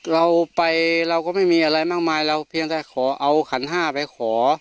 เราไปเราก็ไม่มีอะไรมากมายเราเพียงแต่ขอเอาขันห้าไปขอ